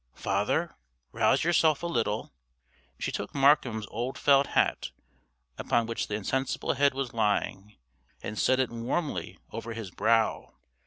"Father, rouse yourself a little." She took Markham's old felt hat, upon which the insensible head was lying, and set it warmly over his brow.